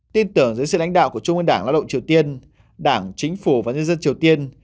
tin tưởng giữa sự lãnh đạo của trung ương đảng lao động triều tiên đảng chính phủ và nhân dân triều tiên